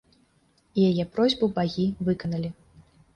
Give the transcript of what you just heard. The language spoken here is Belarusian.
І яе просьбу багі выканалі.